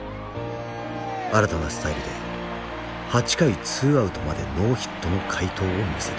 新たなスタイルで８回２アウトまでノーヒットの快投を見せた。